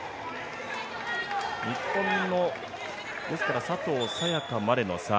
日本の佐藤早也伽までの差